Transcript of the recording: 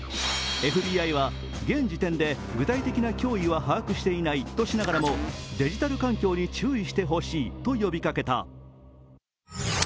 ＦＢＩは現時点で具体的な脅威は把握していないとしながらもデジタル環境に注意してほしいと呼びかけた。